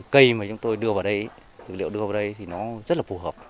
cây mà chúng tôi đưa vào đây dữ liệu đưa vào đây thì nó rất là phù hợp